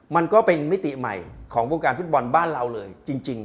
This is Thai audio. มันก็เป็นมิติใหม่ของวงการฟุตบอลบ้านเราเลยจริง